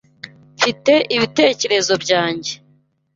Mfite ibitekerezo byanjye.